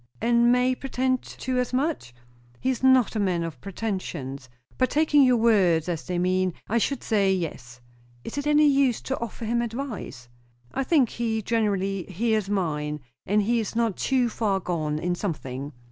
"And may pretend to as much?" "He is not a man of pretensions. But, taking your words as they mean, I should say, yes." "Is it any use to offer him advice?" "I think he generally hears mine if he is not too far gone in something."